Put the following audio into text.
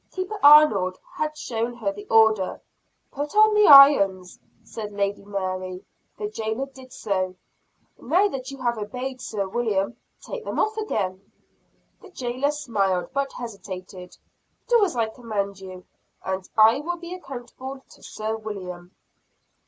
Keeper Arnold had shown her the order. "Put on the irons," said Lady Mary. The jailer did so. "Now that you have obeyed Sir William, take them off again." The jailer smiled, but hesitated. "Do as I command you, and I will be accountable to Sir William."